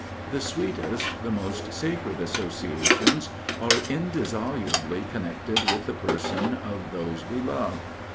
The sweetest, the most sacred associations are indissolubly connected with the person of those we love.